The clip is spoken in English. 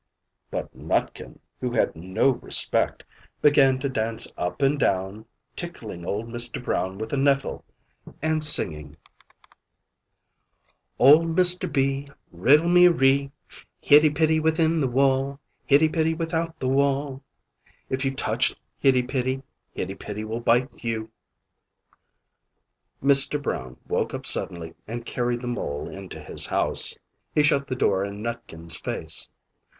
But Nutkin, who had no respect, began to dance up and down, tickling old Mr. Brown with a NETTLE and singing "Old Mr. B! Riddle me ree! Hitty Pitty within the wall, Hitty Pitty without the wall; If you touch Hitty Pitty, Hitty Pitty will bite you!" Mr. Brown woke up suddenly and carried the mole into his house. He shut the door in Nutkin's face.